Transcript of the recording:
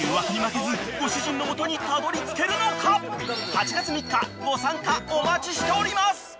［８月３日ご参加お待ちしております］